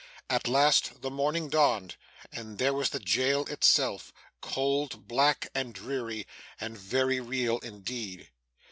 At last, the morning dawned, and there was the jail itself cold, black, and dreary, and very real indeed.